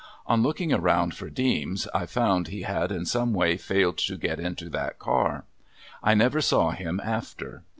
On looking around for Deems I found he had in some way failed to get into that car. I never saw him after.